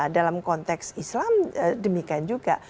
dalam konteks islam demikian juga